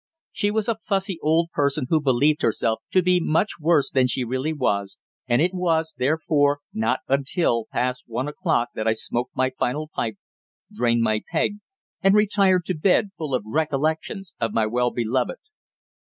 She was a fussy old person who believed herself to be much worse than she really was, and it was, therefore, not until past one o'clock that I smoked my final pipe, drained my peg, and retired to bed, full of recollections of my well beloved.